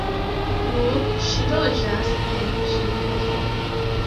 Nun ŝi loĝas en Ĝenevo.